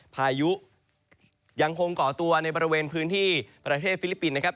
พายุยังคงก่อตัวในบริเวณพื้นที่ประเทศฟิลิปปินส์นะครับ